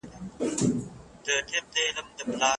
ستا هوس یې نیمه خوا کړ جهاني لا ژوندی ګرځي